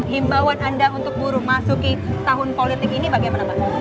himbauan anda untuk buruh masuki tahun politik ini bagaimana pak